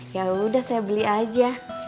yaudah saya beli aja